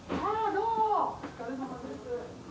どうもお疲れさまです